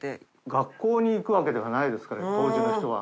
学校に行くわけではないですから、当時の人は。